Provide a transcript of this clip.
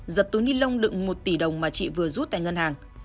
giật túi nilon lựng một tỷ đồng mà chị vừa rút tại ngân hàng